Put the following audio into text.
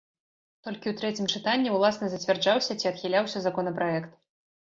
Толькі у трэцім чытанні ўласна зацвярджаўся ці адхіляўся законапраект.